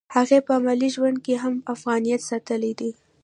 هغې په عملي ژوند کې هم افغانیت ساتلی دی